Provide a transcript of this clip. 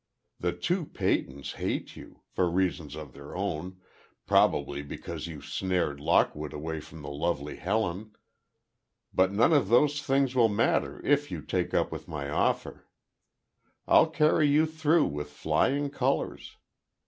The two Peytons hate you—for reasons of their own—probably because you snared Lockwood away from the lovely Helen. But none of those things will matter if you take up with my offer. I'll carry you through with flying colors.